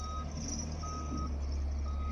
Otro nombre histórico es "Resolution".